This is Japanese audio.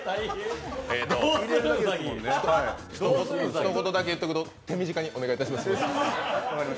ひと言だけ言っとくと手短にお願いします。